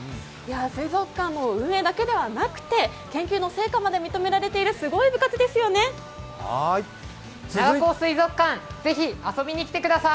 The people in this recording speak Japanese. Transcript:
水族館も運営だけではなくて研究の成果まで認められている長高水族館、ぜひ遊びにきてください！